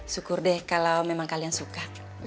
syukur deh kalau memang kalian suka